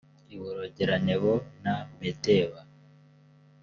iborogera nebo e na medeba